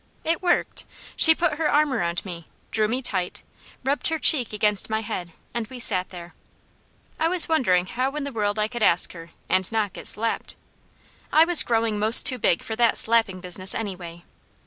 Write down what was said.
It worked. She put her arm around me, drew me tight, rubbed her cheek against my head and we sat there. I was wondering how in the world I could ask her, and not get slapped. I was growing most too big for that slapping business, anyway.